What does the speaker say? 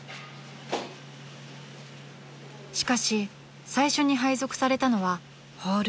［しかし最初に配属されたのはホール］